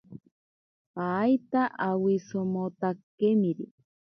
Paita awisamotakemiri.